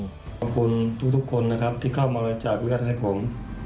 ขอบคุณทุกคนนะครับที่เข้ามาบริจาคเลือดให้ผม